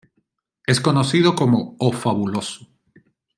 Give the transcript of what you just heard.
Es conocido como "O Fabuloso".